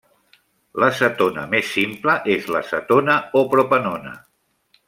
La cetona més simple és l'acetona o propanona.